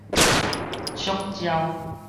觸礁